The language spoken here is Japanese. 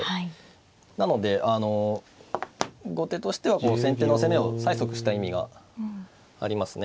なので後手としては先手の攻めを催促した意味がありますね。